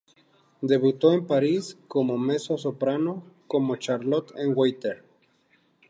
Debutó en París, como mezzo-soprano como Charlotte en "Werther".